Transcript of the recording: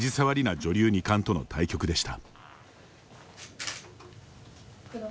女流二冠との対局でした。